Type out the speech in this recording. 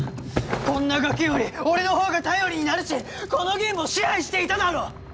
こんなガキより俺のほうが頼りになるしこのゲームを支配していただろ！？